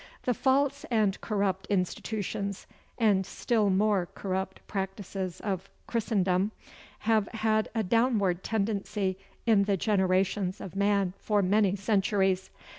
The false and corrupt institutions, and still more corrupt practices of "Christendom" have had a downward tendency in the generations of man for many centuries.